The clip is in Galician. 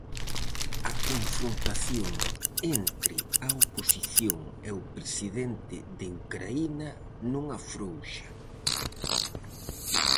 A confrontación entre a oposición e o presidente de Ucraína non afrouxa.